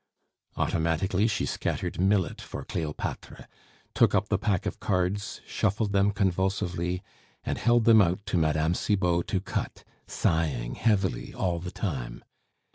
Automatically she scattered millet for Cleopatre, took up the pack of cards, shuffled them convulsively, and held them out to Mme. Cibot to cut, sighing heavily all the time.